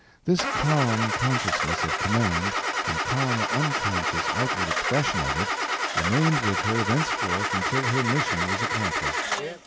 This calm consciousness of command, and calm unconscious outward expression of it, remained with her thenceforth until her mission was accomplished.